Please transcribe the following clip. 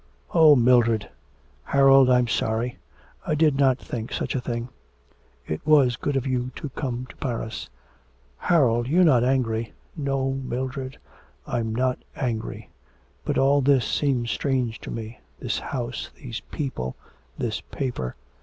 Oh, Mildred!' 'Harold, I'm sorry. I did not think such a thing. It was good of you to come to Paris. Harold, you're not angry?' 'No, Mildred, I'm not angry. But all this seems strange to me: this house, these people, this paper.'